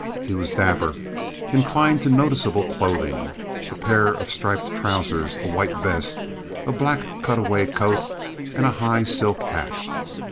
He was dapper, inclined to noticeable clothing—a pair of striped trousers, a white vest, a black cutaway coat and a high silk hat.